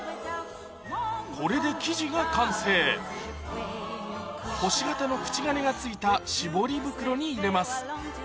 これで生地が完成星形の口金が付いた絞り袋に入れます